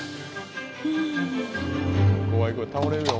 怖い怖い倒れるよ